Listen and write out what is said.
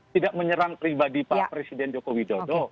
tidak menyerang pribadi pak presiden joko widodo